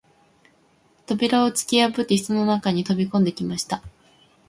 扉をつきやぶって室の中に飛び込んできました